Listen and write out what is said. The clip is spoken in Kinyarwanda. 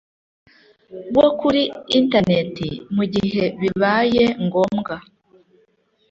bwo kuri internet mu gihe bibaye ngombwa.